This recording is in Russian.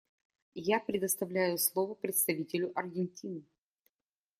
Я предоставляю слово представителю Аргентины.